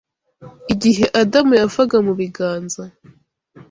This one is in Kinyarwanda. Igihe Adamu yavaga mu biganza